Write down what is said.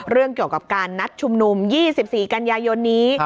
เรื่องเกี่ยวกับการนัดชุมนุม๒๔กันยายนนี้